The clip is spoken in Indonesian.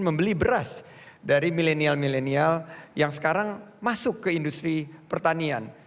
membeli beras dari milenial milenial yang sekarang masuk ke industri pertanian